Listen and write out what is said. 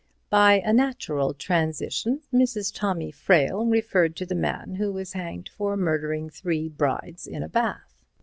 By a natural transition, Mrs. Tommy Frayle referred to the man who was hanged for murdering three brides in a bath.